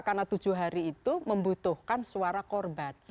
karena tujuh hari itu membutuhkan suara korban